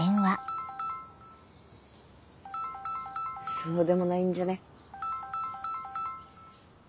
そうでもないんじゃね？